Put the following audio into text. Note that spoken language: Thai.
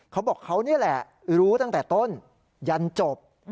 เขาบอกเขานี่แหละรู้ตั้งแต่ต้นยันจบ